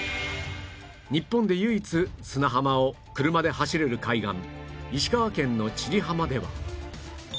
日本で唯一砂浜を車で走れる海岸石川県の千里浜では